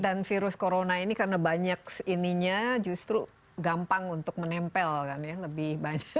dan virus corona ini karena banyak ininya justru gampang untuk menempel kan ya